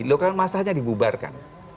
lalu kan masalahnya dibubarkan